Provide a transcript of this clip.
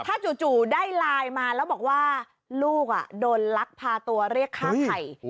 ถ้าจู่ได้ไลน์มาแล้วบอกว่าลูกโดนลักพาตัวเรียกฆ่าไข่